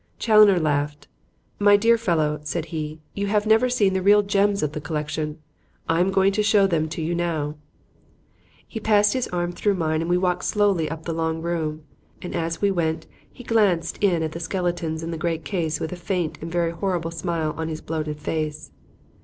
Challoner laughed. "My dear fellow," said he, "you have never seen the real gems of the collection. I am going to show them to you now." He passed his arm through mine and we walked slowly up the long room; and as we went, he glanced in at the skeletons in the great case with a faint and very horrible smile on his bloated face.